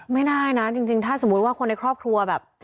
ไม่ได้นะจริงถ้าสมมุติว่าคนในครอบครัวแบบ